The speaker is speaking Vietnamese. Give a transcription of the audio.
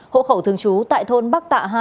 hộ khẩu thường trú tại thôn bắc tạ hai